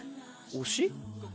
推し？